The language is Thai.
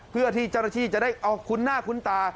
เพื่อที่จรฐิจะได้เอาคุ้นหน้าคุ้นตา